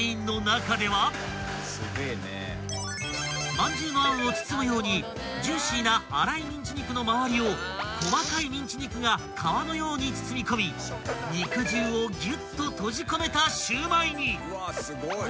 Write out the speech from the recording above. ［まんじゅうのあんを包むようにジューシーな粗いミンチ肉の周りを細かいミンチ肉が皮のように包み込み肉汁をぎゅっと閉じ込めた焼売に］